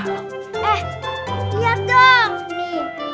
eh liat dong